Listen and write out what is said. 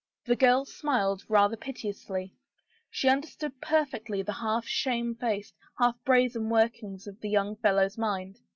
The girl smiled, rather piteously. She tmderstood perfectly the half shamedfaced, half brazen workings of the young fellow's mind.